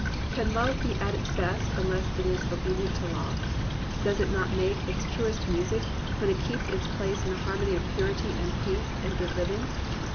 '^ Can love be at its best unless it is obedient to law.f^ Does it not make its truest music when it keeps its place in the harmony of purity and peace and good hv ing